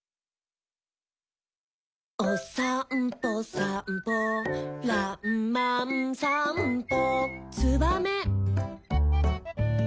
「おさんぽさんぽらんまんさんぽ」